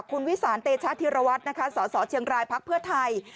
คุณวิสานเตชะธิรวัตรนะคะสสเชียงรายพักเพื่อไทย